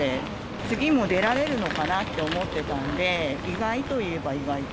次も出られるのかなって思ってたんで、意外といえば意外。